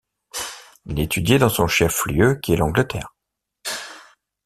l’étudier dans son chef-lieu qui est l’Angleterre. ..